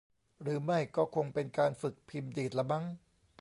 หรือไม่ก็คงเป็นการฝึกพิมพ์ดีดละมั้ง